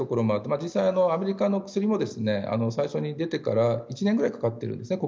実際にアメリカの薬も最初に出てから１年ぐらいかかっているんです。